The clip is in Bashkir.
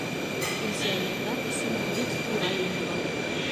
Пенсионерҙар өсөн бик ҡулай ине был.